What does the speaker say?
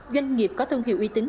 doanh nghiệp có thông hiệu uy tín